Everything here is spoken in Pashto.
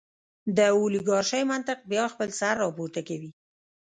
د اولیګارشۍ منطق بیا خپل سر راپورته کوي.